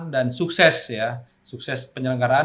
dan sukses ya sukses penyelenggaraan